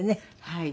はい。